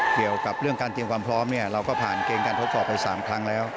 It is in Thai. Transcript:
เกี่ยวกับเรื่องการเตรียมความพร้อมเนี่ยเราก็ผ่านเกณฑ์การทดสอบไป๓ครั้งแล้ว